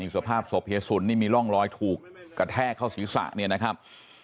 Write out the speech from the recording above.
สภาพศพเฮียสุนนี่มีร่องรอยถูกกระแทกเข้าศีรษะเนี่ยนะครับ